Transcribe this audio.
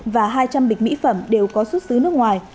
và hai trăm linh bịch mỹ phẩm đều có xuất xứ nước ngoài